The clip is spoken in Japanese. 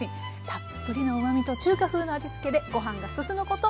たっぷりのうまみと中華風の味付けでご飯が進むこと